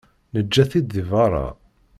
Neǧǧa-t-id di berra.